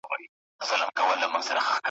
بېګانه له خپله ښاره، له خپل کلي پردو خلکو! ,